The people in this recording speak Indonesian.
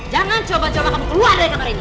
jangan coba coba kamu keluar dari kamar ini